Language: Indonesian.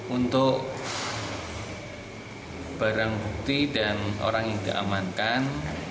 untuk barang bukti dan orang yang diamankan